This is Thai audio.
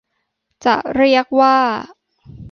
จะเรียกว่า